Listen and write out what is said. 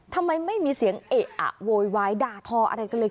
ทำไมไม่มีเสียงเอะอะโวยวายด่าทออะไรกันเลย